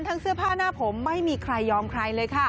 เสื้อผ้าหน้าผมไม่มีใครยอมใครเลยค่ะ